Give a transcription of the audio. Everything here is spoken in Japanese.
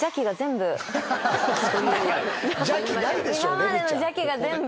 今までの邪気が全部。